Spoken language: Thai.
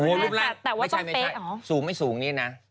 โอ้โฮรูปร่างไม่ใช่ไม่ใช่สูงไม่สูงนี่นะ